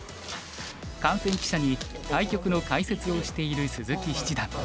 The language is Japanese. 観戦記者に対局の解説をしている鈴木七段。